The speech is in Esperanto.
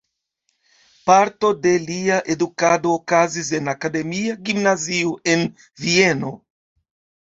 Parto de lia edukado okazis en Akademia Gimnazio en Vieno.